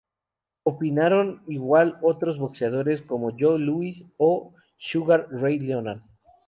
Opinaron igual otros boxeadores como Joe Louis o Sugar Ray Leonard.